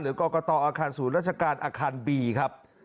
กรกตอาคารศูนย์ราชการอาคารบีครับ